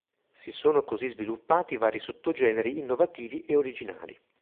Si sono così sviluppati vari sottogeneri innovativi e originali.